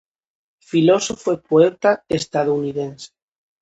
Filósofo e poeta estadounidense.